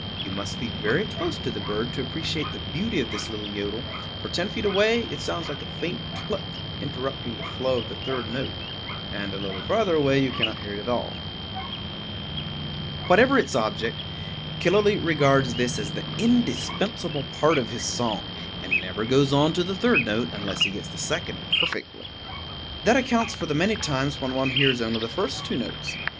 You must be very close to the bird to appreciate the beauty of this little yodel; for ten feet away it sounds like a faint cluck interrupting the flow of the third note; and a little farther away you cannot hear it at all. [Illustration: Killooleet] Whatever its object, Killooleet regards this as the indispensable part of his song, and never goes on to the third note unless he gets the second perfectly. That accounts for the many times when one hears only the first two notes.